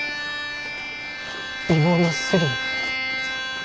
美貌のスリ。